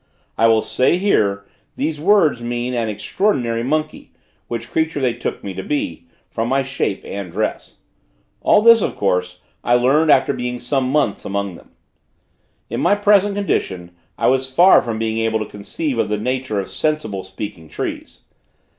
I will here say, these words mean an extraordinary monkey, which creature they took me to be, from my shape and dress. All this, of course, I learned after being some months among them. In my present condition, I was far from being able to conceive of the nature of sensible, speaking trees.